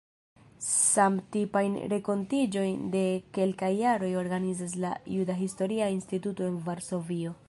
Samtipajn renkontiĝojn de kelkaj jaroj organizas la Juda Historia Instituto en Varsovio.